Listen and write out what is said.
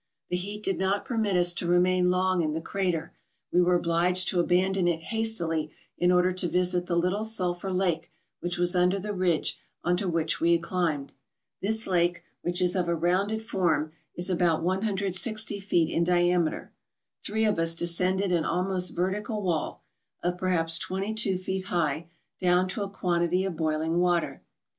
The heat did not permit us to remain long in the crater; we were obliged to abandon it hastily in order to visit the little sulphur lake which was under the ridge on to which we had climbed. This lake, which is of a rounded form, is about 160 feet in diameter. Three of us descended an almost vertical wall, of perhaps twenty two feet high, down to a quantity of boiling water.